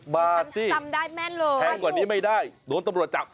๘๐บาทสิแทนกว่านี้ไม่ได้โดนตำรวจจับเออ